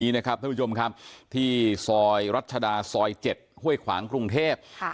ท่านผู้ชมครับที่ซอยรัชดาซอย๗ห้วยขวางกรุงเทพ